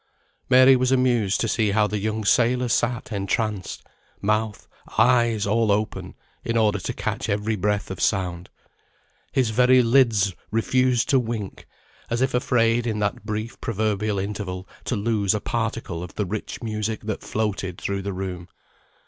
Mary was amused to see how the young sailor sat entranced; mouth, eyes, all open, in order to catch every breath of sound. His very lids refused to wink, as if afraid in that brief proverbial interval to lose a particle of the rich music that floated through the room.